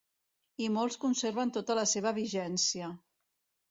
I molts conserven tota la seva vigència.